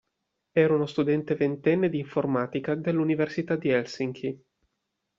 Era uno studente ventenne di informatica dell'università di Helsinki.